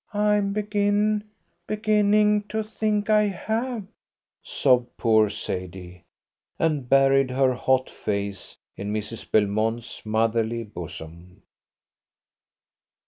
"I'm begin beginning to think I have," sobbed poor Sadie, and buried her hot face in Mrs. Belmont's motherly bosom.